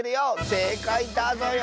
せいかいだぞよ。